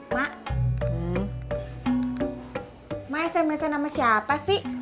mak mak sma sama siapa sih